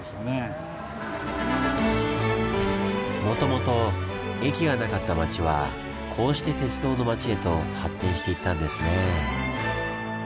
もともと駅がなかった町はこうして鉄道の町へと発展していったんですねぇ。